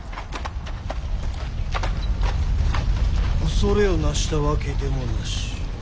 恐れをなしたわけでもなし。